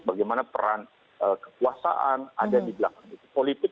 bagaimana peran kekuasaan ada di belakang politik